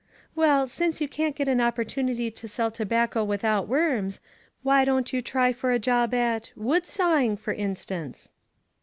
*' Well, since you can't get an opportunity to sell tobacco without worms, why don't you try for a job at wood sawing, for instance